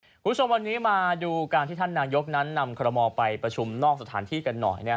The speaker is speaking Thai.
คุณผู้ชมวันนี้มาดูการที่ท่านนายกนั้นนำคอรมอลไปประชุมนอกสถานที่กันหน่อย